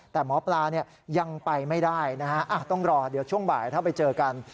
แต่หมอปลายังไปไม่ได้นะฮะต้องรอเดี๋ยวช่วงบ่ายถ้าไปเจอกัน